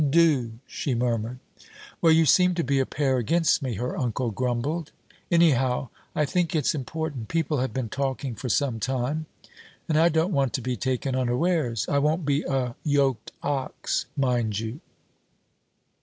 'Do,' she murmured. 'Well, you seem to be a pair against me,' her uncle grumbled. 'Anyhow I think it's important. People have been talking for some time, and I don't want to be taken unawares; I won't be a yoked ox, mind you.'